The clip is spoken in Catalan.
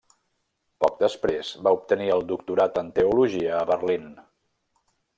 Poc després va obtenir el doctorat en teologia a Berlín.